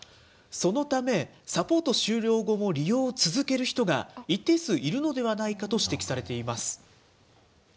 そのため、サポート終了後も利用を続ける人が一定数いるのではないかと指摘されています。